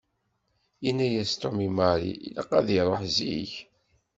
Yenna-yas Tom i Mary ilaq ad iruḥ zik.